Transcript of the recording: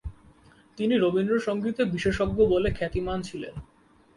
তিনি রবীন্দ্র সংগীতে বিশেষজ্ঞ বলে খ্যাতিমান ছিলেন।